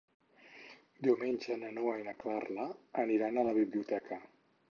Diumenge na Noa i na Carla aniran a la biblioteca.